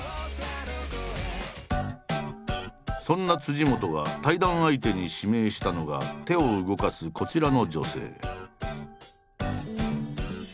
そんな本が対談相手に指名したのが手を動かすこちらの女性。